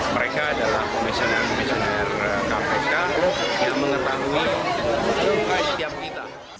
mereka adalah komisioner komisioner kpk yang mengetahui kaitan kita